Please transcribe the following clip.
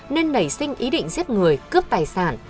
nên nảy sinh ý định giết người cướp tài sản